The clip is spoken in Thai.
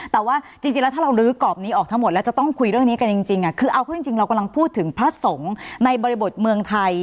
แต่ว่าจริงแล้วถ้าเราลื้อกรอบนี้ออกทั้งหมดแล้วจะต้องคุยเรื่องนี้กันจริงคือเอาเข้าจริงเรากำลังพูดถึงพระสงฆ์ในบริบทเมืองไทย